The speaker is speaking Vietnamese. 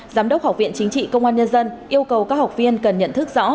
giám đốc học viện chính trị công an nhân dân yêu cầu các học viên cần nhận thức rõ